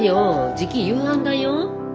じき夕飯だよ。